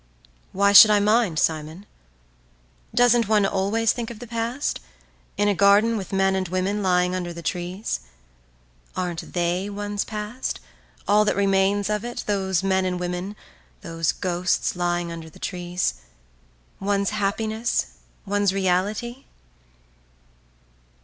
"Why should I mind, Simon? Doesn't one always think of the past, in a garden with men and women lying under the trees? Aren't they one's past, all that remains of it, those men and women, those ghosts lying under the trees,… one's happiness, one's reality?"